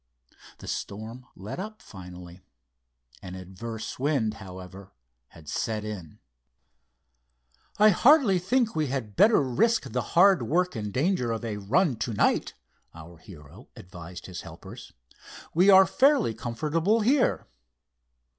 The storm let up finally. An adverse wind, however, had set in. "I hardly think we had better risk the hard work and danger of a run to night," our hero advised his helpers. "We are fairly comfortable here."